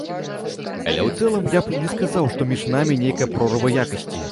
Але ў цэлым, я б не сказаў, што між намі нейкая прорва якасці.